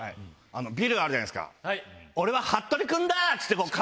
ビルあるじゃないですか。